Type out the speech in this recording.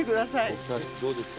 お二人どうですか？